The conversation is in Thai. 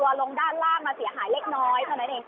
ลงด้านล่างมาเสียหายเล็กน้อยเท่านั้นเอง